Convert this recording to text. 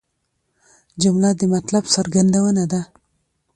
جمله د مطلب څرګندونه ده.